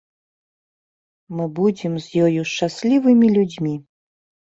Мы будзем з ёю шчаслівымі людзьмі.